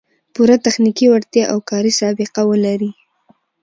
پوره تخنیکي وړتیا او کاري سابقه و لري